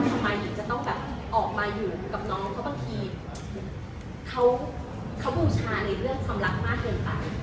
ทำไมถึงจะต้องแบบออกมาอยู่กับน้องเพราะบางทีเขาบูชาในเรื่องความรักมากเกินไป